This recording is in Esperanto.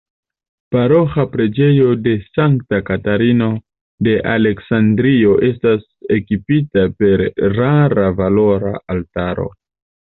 Paroĥa preĝejo de Sankta Katarino de Aleksandrio estas ekipita per rara valora altaro.